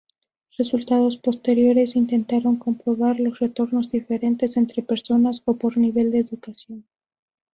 Resultados posteriores intentaron comprobar los retornos diferentes entre personas o por nivel de educación.